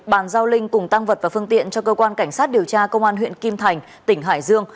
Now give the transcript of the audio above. bàn giao linh cùng tăng vật và phương tiện cho cơ quan cảnh sát điều tra công an huyện kim thành tỉnh hải dương